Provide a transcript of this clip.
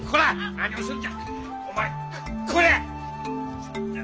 何をするんじゃ。